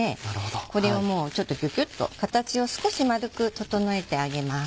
これをもうちょっとギュギュっと形を少し丸く整えてあげます。